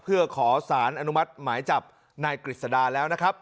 เพื่อขอสารอนุมัติหมายจับนายกฤษดาแล้วนะครับ